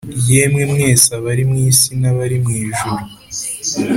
yemwe mwese abari mu isi, namwe abari mw ijuru,